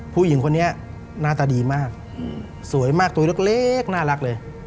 ผู้หญิงคนนี้หน้าตาดีมากสวยมากตัวเล็กน่ารักเลย